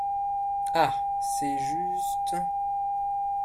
Ah ! c’est juste…